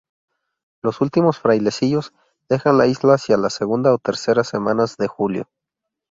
Los últimos frailecillos dejan la isla hacia la segunda o tercera semanas de julio.